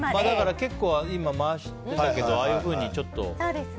結構、今、回してたけどああいうふうにね。